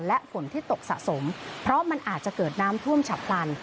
และฝนที่ตกสะสมเพราะมันอาจจะเกิดน้ำท่วมฉับพลัน